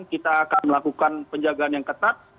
kita akan melakukan penjagaan yang ketat